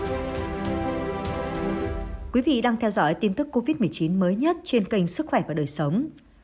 thưa quý vị đang theo dõi tin tức covid một mươi chín mới nhất trên kênh sức khỏe và đời sống